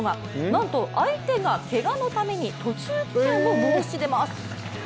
なんと相手がけがのために途中棄権を申し出ます。